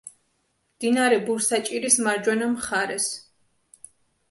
მდინარე ბურსაჭირის მარჯვენა მხარეს.